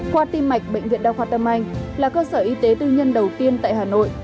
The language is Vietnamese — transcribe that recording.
khoa tim mạch bệnh viện đa khoa tâm anh là cơ sở y tế tư nhân đầu tiên tại hà nội